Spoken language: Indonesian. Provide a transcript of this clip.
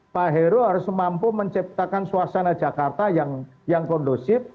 pak heru harus mampu menciptakan suasana jakarta yang kondusif